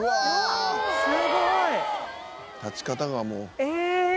すごい！「立ち方がもう」